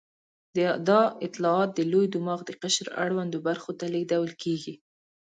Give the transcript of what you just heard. دا اطلاعات د لوی دماغ د قشر اړوندو برخو ته لېږدول کېږي.